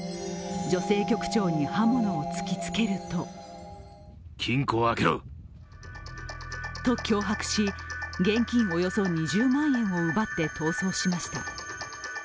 女性局長に刃物を突きつけるとと脅迫し、現金およそ２０万円を奪って逃走しました。